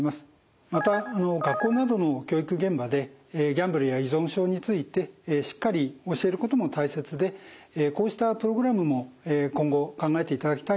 また学校などの教育現場でギャンブルや依存症についてしっかり教えることも大切でこうしたプログラムも今後考えていただきたいと思います。